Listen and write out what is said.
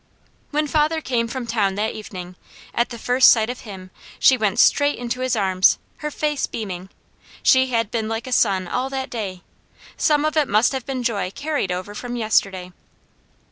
When father came from town that evening, at the first sight of him, she went straight into his arms, her face beaming; she had been like a sun all that day. Some of it must have been joy carried over from yesterday.